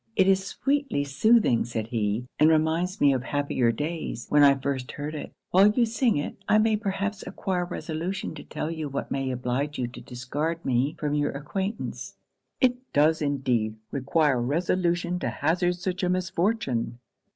'It is sweetly soothing,' said he, 'and reminds me of happier days when I first heard it; while you sing it, I may perhaps acquire resolution to tell you what may oblige you to discard me from your acquaintance. It does indeed require resolution to hazard such a misfortune.'